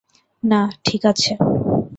না, ঠিক আছে।